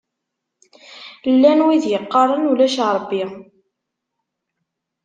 Llan wid yeqqaṛen ulac Ṛebbi.